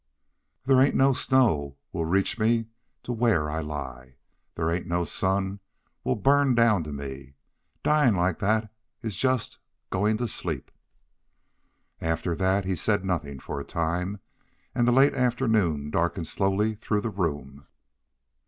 There ain't no snow will reach to me where I lie. There ain't no sun will burn down to me. Dyin' like that is jest goin' to sleep." After that he said nothing for a time, and the late afternoon darkened slowly through the room.